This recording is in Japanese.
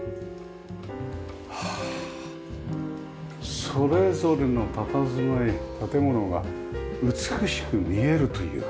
はあそれぞれのたたずまい建物が美しく見えるという。